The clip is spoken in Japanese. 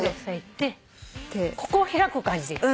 ここを開く感じでいい？